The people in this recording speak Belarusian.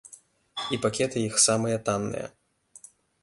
І пакеты іх самыя танныя.